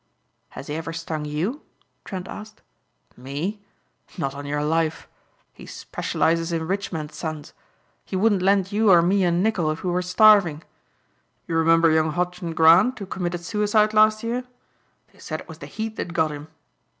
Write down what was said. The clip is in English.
"Has he ever stung you?" Trent asked. "Me? Not on your life. He specializes in rich men's sons. He wouldn't lend you or me a nickel if we were starving. You remember young Hodgson Grant who committed suicide last year. They said it was the heat that got him.